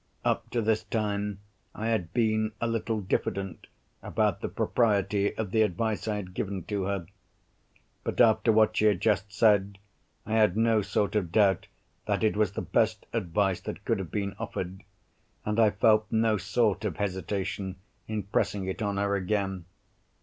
Up to this time, I had been a little diffident about the propriety of the advice I had given to her. But, after what she had just said, I had no sort of doubt that it was the best advice that could have been offered; and I felt no sort of hesitation in pressing it on her again.